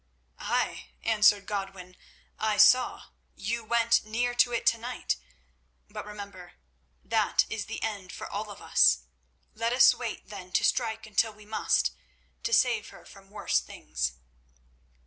"Ay," answered Godwin, "I saw; you went near to it tonight. But remember, that is the end for all of us. Let us wait then to strike until we must—to save her from worse things."